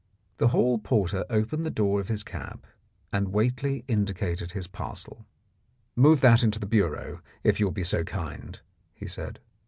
The hall porter opened the door of his cab, and Whately indicated his parcel. "Move that into the bureau, if you will be so kind," he said.